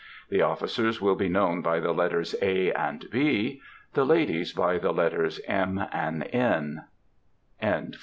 The officers will be known by the letters A. and B.; the ladies, by the letters M. and N.